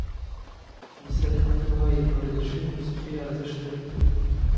مصري متل وایي اورېدل شوې موسیقي ارزښت لري.